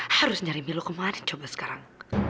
harus nyari milo kemarin coba sekarang